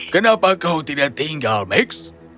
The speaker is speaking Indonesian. kenapa kau tidak tinggal max